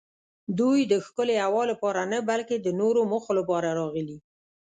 دوی د ښکلې هوا لپاره نه بلکې د نورو موخو لپاره راغلي.